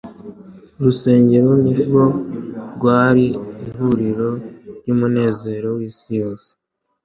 Urusengero nirwo rwari ihuriro iy'umunezero w'isi yose.